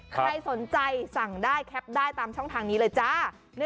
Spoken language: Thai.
ใครสนใจสั่งได้แคปได้ตามช่องทางนี้เลยจ้า